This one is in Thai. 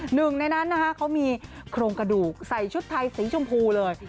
หนึ่งในนั้นนะคะเขามีโครงกระดูกใส่ชุดไทยสีชมพูเลย